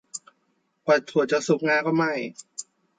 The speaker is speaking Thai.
กว่าถั่วจะสุกงาก็ไหม้